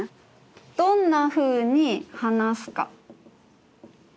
どんなふうに話すか？